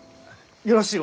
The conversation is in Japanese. よろしゅう